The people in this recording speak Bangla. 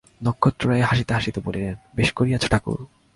নক্ষত্ররায় হাসিতে হাসিতে বলিলেন, বেশ করিয়াছ ঠাকুর!